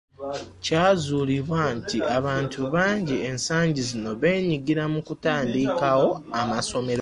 Kyazuulibwa nti abantu bangi ensangi zino beenyigidde mu kutandikawo amasomera.